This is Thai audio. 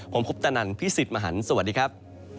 ผมคุปตะนันพี่สิทธิ์มหันฯสวัสดีครับ